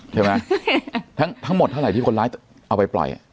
ใช่ไหมทั้งหมดเท่าไหร่ที่คนร้ายเอาไปปล่อย